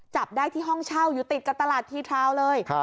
จับได้ที่ห้องเช่าอยู่ติดกับตลาดทีทราวเลย